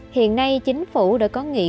hiện nay chính phủ đã có nghị